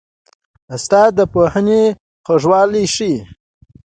استاد د پوهنې خوږوالی ښيي.